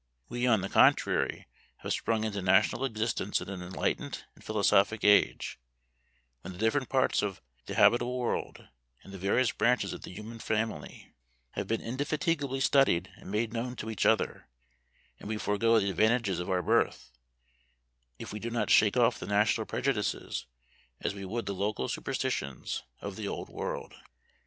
We, on the contrary, have sprung into national existence in an enlightened and philosophic age, when the different parts of the habitable world, and the various branches of the human family, have been indefatigably studied and made known to each other; and we forego the advantages of our birth, if we do not shake off the national prejudices, as we would the local superstitions, of the old world.